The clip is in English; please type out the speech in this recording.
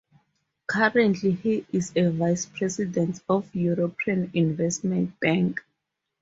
Currently, he is a vice-president of European Investment Bank.